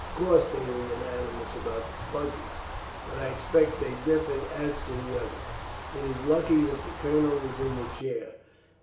"Of course they were unanimous about the smugglers, but I expect they differed as to the others. It is lucky that the Colonel is in the chair.